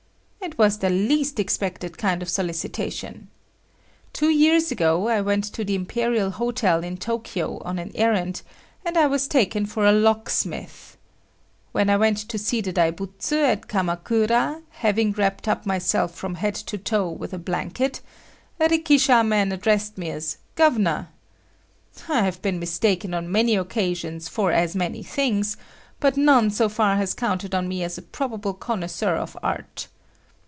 It was the least expected kind of solicitation. Two years ago, I went to the Imperial Hotel (Tokyo) on an errand, and I was taken for a locksmith. When I went to see the Daibutsu at Kamakura, having wrapped up myself from head to toe with a blanket, a rikisha man addressed me as "Gov'ner." I have been mistaken on many occasions for as many things, but none so far has counted on me as a probable connoisseur of art.